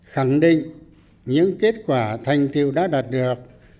khẳng định những kết quả thành tiêu đã đạt được